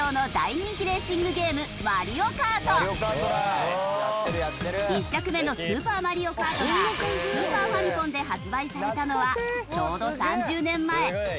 任天堂の１作目の『スーパーマリオカート』がスーパーファミコンで発売されたのはちょうど３０年前。